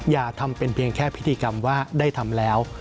อย่าทำเป็นเพียงแค่พิธีกรรมว่าได้ทำแล้ว